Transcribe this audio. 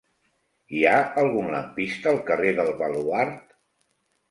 Hi ha algun lampista al carrer del Baluard?